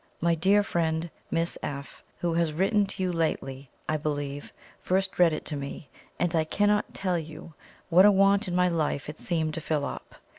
My dear friend Miss F , who has written to you lately I believe, first read it to me, and I cannot tell you what a want in my life it seemed to fill up.